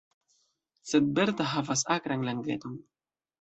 Sed Berta havas akran langeton.